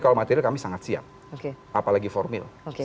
kalau material kami sangat siap apalagi formil